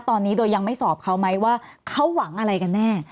ตอนนี้โดยยังไม่สอบเขาไหมว่าเขาหวังอะไรกันแน่